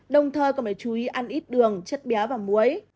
đồng thời còn phải chú ý ăn ít đường chất béo và muối